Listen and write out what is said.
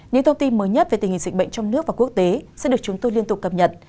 những thông tin mới nhất về tình hình dịch bệnh trong nước và quốc tế sẽ được chúng tôi liên tục cập nhật